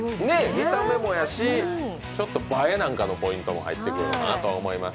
見た目もやし、ちょっと映えのポイントも入ってくるかなと思います。